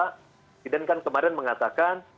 presiden kan kemarin mengatakan